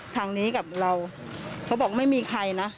ทางนี้กับเราเขาบอกไม่มีใครนะ